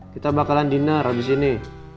kita bakalan diner abis ini